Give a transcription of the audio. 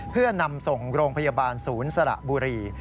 เพื่อนำส่งโรงพยาบาลศูนย์สระบุรี